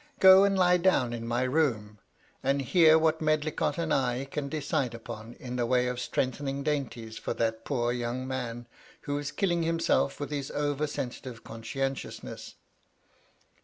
^^ Go and lie down in my room, and hear what Medlicott and I can decide upon in the way of strengthening dainties for that poor young man, who is killing himself with his over sensitive conscientiousness."